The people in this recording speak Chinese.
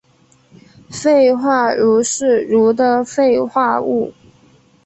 氟化铷是铷的氟化物。